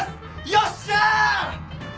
よっしゃ！